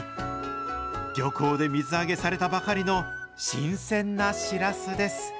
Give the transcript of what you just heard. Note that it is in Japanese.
漁港で水揚げされたばかりの新鮮なシラスです。